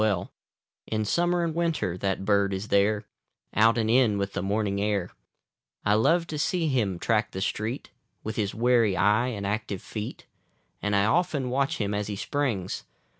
B I li (88) In summer and winter that bird is there, Out and in with the morning air : I love to see him track the street, Witli his wary eye and active feet ; And 1 often watch him as he springs.